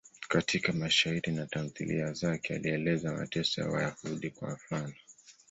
Katika mashairi na tamthiliya zake alieleza mateso ya Wayahudi, kwa mfano.